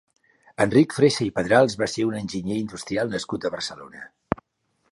Enric Freixa i Pedrals va ser un enginyer industrial nascut a Barcelona.